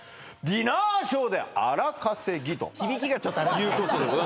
ディナーショーで荒稼ぎということでございます